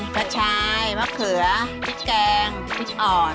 กระชายมะเขือพริกแกงพริกอ่อน